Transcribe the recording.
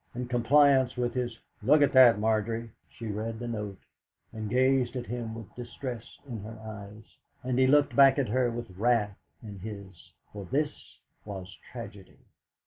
In compliance with his "Look at that, Margery," she read the note, and gazed at him with distress in her eyes, and he looked back at her with wrath in his. For this was tragedy.